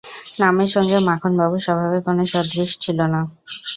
নামের সঙ্গে মাখনবাবুর স্বভাবের কোনো সাদৃশ্য ছিল না।